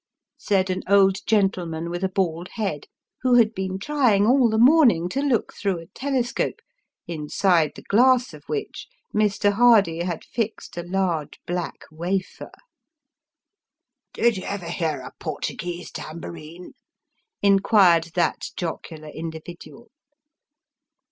said an old gentleman with a bald head, who had been trying all the morning to look through a telescope, inside the glass of which Mr. Hardy had fixed a large black wafer. " Did you ever hear a Portuguese tambourine ?" inquired that jocular individual.